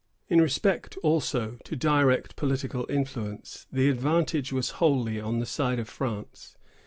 In respect, also, to direct political influence, the advantage was wholly on the side of France.